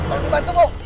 tolong dibantu bu